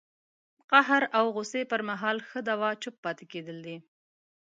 د قهر او غوسې پر مهال ښه دوا چپ پاتې کېدل دي